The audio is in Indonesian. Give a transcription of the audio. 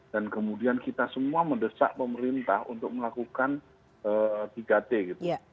dan kemudian kita semua mendesak pemerintah untuk melakukan tiga t gitu